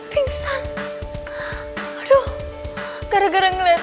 ya udah kita ke rumah